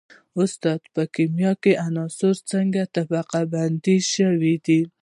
استاده په کیمیا کې عناصر څنګه طبقه بندي شوي دي